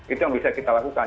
itu yang bisa kita lakukan